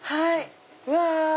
うわ！